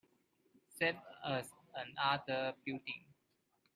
Saved us another building.